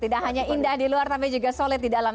tidak hanya indah di luar tapi juga solid di dalam